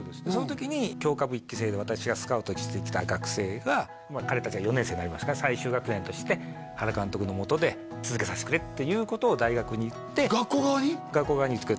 そのときに強化部一期生で私がスカウトしてきた学生が彼たちが４年生になりますから最終学年として原監督のもとで続けさせてくれっていうことを大学に言って学校側に？